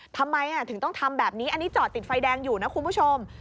ทำไมถึงต้องทำแบบนี้อันนี้จอดติดไฟแดงอยู่นะคุณผู้ชม